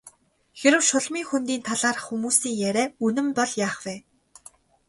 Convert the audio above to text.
Хэрэв Шулмын хөндийн талаарх хүмүүсийн яриа үнэн бол яах вэ?